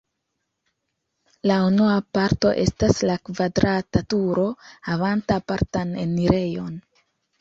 La unua parto estas la kvadrata turo havanta apartan enirejon.